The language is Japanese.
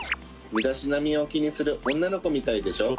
身だしなみを気にする女の子みたいでしょ